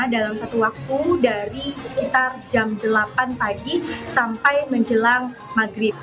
dalam satu waktu dari sekitar jam delapan pagi sampai menjelang maghrib